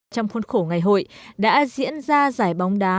trong khuôn khổ ngày hội đã diễn ra giải bóng đá